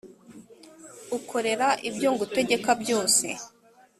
ukorera ibyo ngutegeka byose